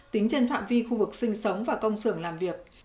tính trên phạm vi khu vực sinh sống và công sưởng làm việc